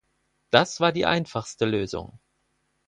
Das war die einfachste Lösung.